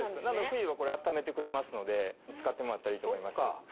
冬これ温めてくれますので使ってもらったらいいと思います。